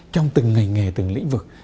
trong từng ngành nghề từng lĩnh vực